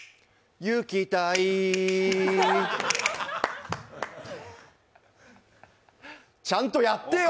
ゆきたいちゃんとやってよ！